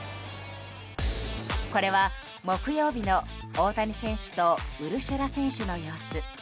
これは木曜日の大谷選手とウルシェラ選手の様子。